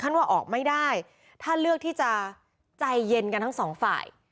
ว่าออกไม่ได้ถ้าเลือกที่จะใจเย็นกันทั้งสองฝ่าย